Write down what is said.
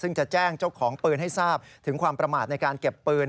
ซึ่งจะแจ้งเจ้าของปืนให้ทราบถึงความประมาทในการเก็บปืน